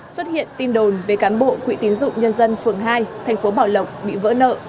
xuất hiện tin đồn về cán bộ quỹ tín dụng nhân dân phường hai thành phố bảo lộc bị vỡ nợ